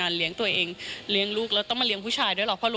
อ่าเดี๋ยวฟองดูนะครับไม่เคยพูดนะครับ